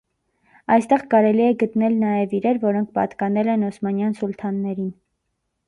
Այստեղ կարելի է գտնել նաև իրեր, որոնք պատկանել են օսմանյան սուլթաններին։